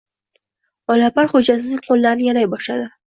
Olapar xo`jasining qo`llarini yalay boshladi